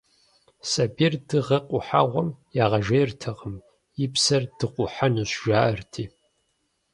Сабийр дыгъэ къухьэгъуэм ягъэжейртэкъым, и псэр дыкъухьэнущ, жаӀэрти.